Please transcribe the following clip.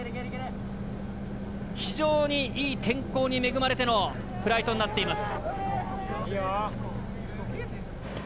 非常に良い天候に恵まれてのフライトになっています。